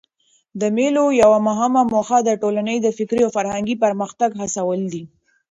د مېلو یوه مهمه موخه د ټولني د فکري او فرهنګي پرمختګ هڅول دي.